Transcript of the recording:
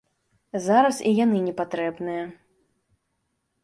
Зараз і яны не патрэбныя.